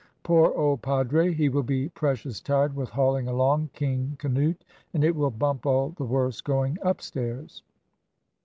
Poor old padre, he will be precious tired with hauling along 'King Canute,' and it will bump all the worse going upstairs."